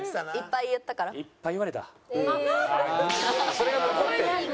それが残ってるの？